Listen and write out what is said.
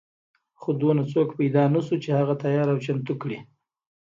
خو دومره څوک پیدا نه شو چې هغه تیار او چمتو کړي.